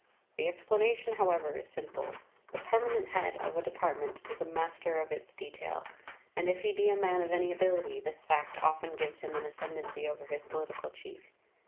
The explanation, however, is simple. The permanent head of a Department is a master of its detail, and if he be a man of any ability, this fact often gives him an ascendancy over his political chief.